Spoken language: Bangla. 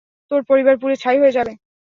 তোর পরিবার পুড়ে ছাই হয়ে যাবে।